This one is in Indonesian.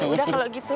yaudah kalau gitu